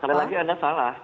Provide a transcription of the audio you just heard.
sekali lagi anda salah